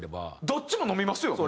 どっちも飲みますよね。